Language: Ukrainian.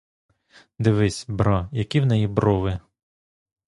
Дивись, бра, які в неї брови!